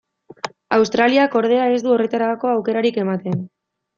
Australiak, ordea, ez du horretarako aukerarik ematen.